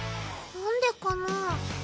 なんでかなぁ。